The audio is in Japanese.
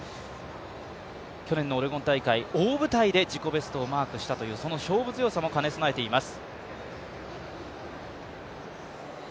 去年のオレゴン大会、大舞台で自己ベストをマークしたというその勝負強さも兼ね備えています。